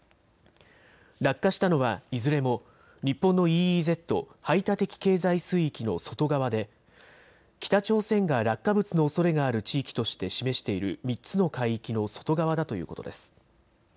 落下したのはいずれも日本のＥＥＺ・排他的経済水域の外側で北朝鮮が落下物のおそれがある地域として示している３つの海域の外側だということです。